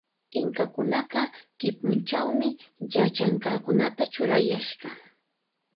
Inkakunaqa kipuchawmi yachanqakunata churayashqa.